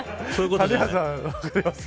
谷原さん、分かります。